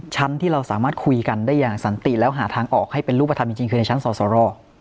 ที่เราสามารถคุยกันได้อย่างสันติแล้วหาทางออกให้เป็นรูปธรรมจริงคือในชั้นสอสร